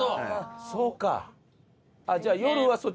そうか。